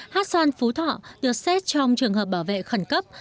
hát xoan phú thọ được xét trong trường hợp bảo vệ khẩn cấp